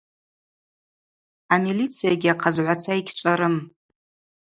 Амилициягьи ахъазгӏваца йыгьчӏварым.